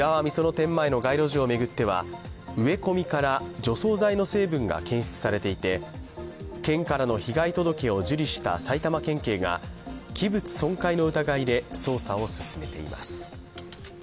店前の街路樹を巡っては植え込みから除草剤の成分が検出されていて件からの被害届を受理した埼玉県警が器物損壊の疑いで捜査を進めています。